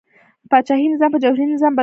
پاچاهي نظام په جمهوري نظام بدل شو.